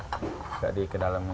agak ke dalam